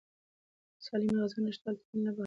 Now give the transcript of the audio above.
د سالمې غذا نشتوالی ټولنه له بحران سره مخ کوي.